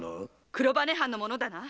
黒羽藩の者だな？